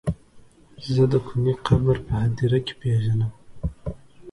زه د کوني قبر په هديره کې پيژنم.